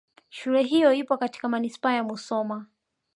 Shule hiyo ipo katika Manispaa ya Musoma